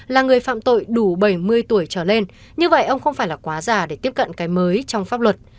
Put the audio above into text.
là người phạm tội đủ bảy mươi tuổi trở lên như vậy ông không phải là quá già để tiếp cận cái mới trong pháp luật